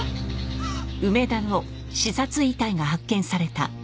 あっ！